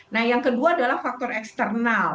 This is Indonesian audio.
nah yang kedua adalah faktor eksternal